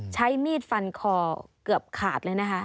ใช้มีดฟันคอเกือบขาดเลยนะคะ